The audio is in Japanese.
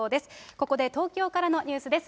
ここで東京からのニュースです。